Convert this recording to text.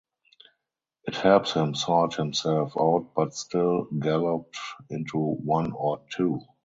It helps him sort himself out but still galloped into one or two.